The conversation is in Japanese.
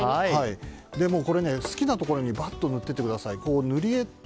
好きなところにばっと塗って行ってください。